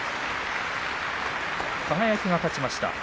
輝が勝ちました